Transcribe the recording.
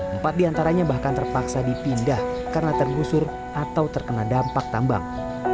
empat diantaranya bahkan terpaksa dipindah karena tergusur atau terkena dampak tambang